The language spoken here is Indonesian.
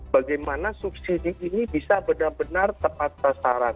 bagaimana subsidi ini bisa benar benar tepat sasaran